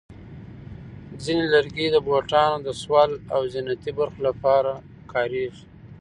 ځینې لرګي د بوټانو د سول او زینتي برخو لپاره کارېږي.